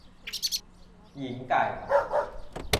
หญิงไก่